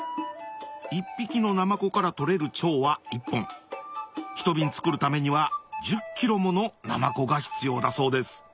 一匹のナマコから取れる腸は１本一瓶作るためには１０ｋｇものナマコが必要だそうです